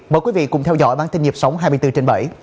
mời quý vị cùng theo dõi bản tin nhịp sống hai mươi bốn trên bảy